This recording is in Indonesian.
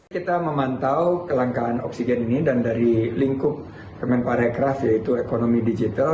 kita memantau kelangkaan oksigen ini dan dari lingkup kemenparekraf yaitu ekonomi digital